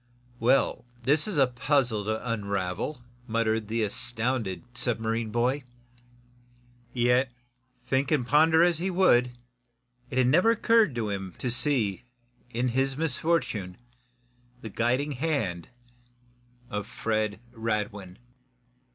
"Well, this is a puzzle to unravel!" muttered the astounded submarine boy. Yet, think and ponder as he would, it never occurred to him to see, in his misfortune, the guiding hand of Fred Radwin!